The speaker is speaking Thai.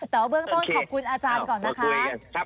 แต่ว่าเบื้องต้นขอบคุณอาจารย์ก่อนนะคะ